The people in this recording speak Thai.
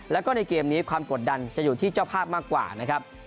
แล้วก็ในเกมนี้ความกดดันจะอยู่ที่เจ้าภาพมากกว่านะครับ